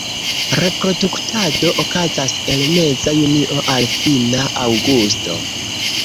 Reproduktado okazas el meza junio al fina aŭgusto.